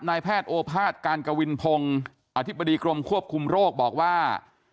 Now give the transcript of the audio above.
นายแพทย์โอภาษย์การกวินพงศ์อธิบดีกรมควบคุมโรคบอกว่า